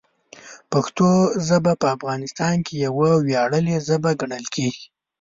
پښتو ژبه په افغانستان کې یوه ویاړلې ژبه ګڼل کېږي.